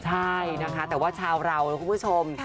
ใช่นะคะแต่ว่าชาวเรานะคุณผู้ชม